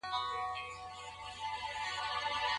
ښه خلګ بايد له ښو خلګو سره دوستي وکړي.